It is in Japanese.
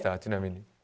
ちなみに。